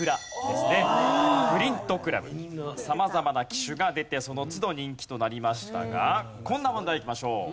様々な機種が出てその都度人気となりましたがこんな問題いきましょう。